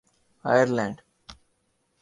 Ireland